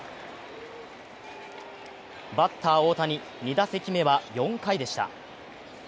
バッター大谷、２打席目は４回でした。